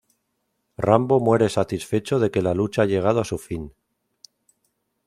Rambo muere satisfecho de que la lucha ha llegado a su fin.